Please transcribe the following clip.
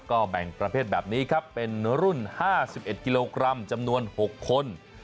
ก็แบ่งประเภทแบบนี้ครับเป็นรุ่น๕๑กิโลกรัมจำนวน๖คน